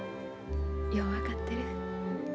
よう分かってる。